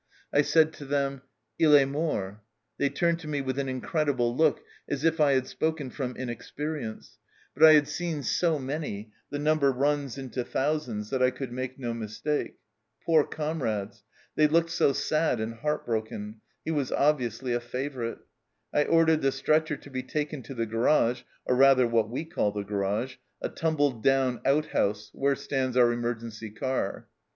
I said to them, ' II est mort.' They turned to me with an incredible look, as if I had spoken from inexperience, but I have seen so 250 THE CELLAR HOUSE OF PERVYSE many the number runs into thousands that I could make no mistake. Poor comrades ! they looked so sad and heartbroken ; he was obviously a favourite. I ordered the stretcher to be taken to the garage or, rather, what we call the garage a tumbled down outhouse, where stands our emer gency car.